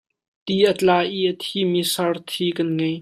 Ti a tla i a thimi sarthi kan ngei.